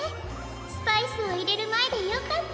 スパイスをいれるまえでよかった！